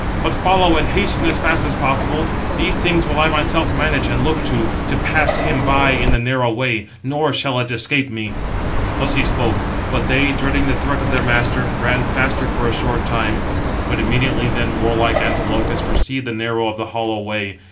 But follow, and hasten as fast as possible. These things will I myself manage and look to, to pass him by in the narrow way; nor shall it escape me." Thus he spoke; but they, dreading the threat of their master, ran faster for a short time: but immediately then warlike Antilochus perceived the narrow of the hollow way.